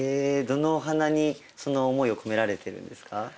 どのお花にその思いを込められてるんですか？